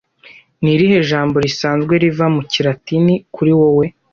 Ni irihe jambo risanzwe riva mu kilatini kuri wowe